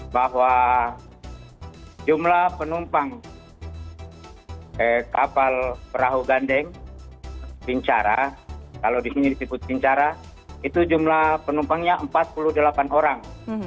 bahwa jumlah penumpang kapal perahu gandeng pincara kalau di sini disebut pincara itu jumlah penumpangnya empat puluh delapan orang